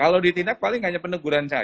kalau ditinggak paling hanya peneguran yang ada